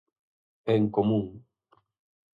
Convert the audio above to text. En común.